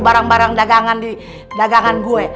barang barang dagangan di dagangan gue